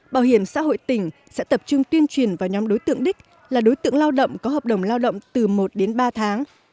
bảo hiểm xã hội tỉnh sẽ tập trung tuyên truyền vào nhóm đối tượng đích là đối tượng lao động có hợp đồng lao động từ một đến ba tháng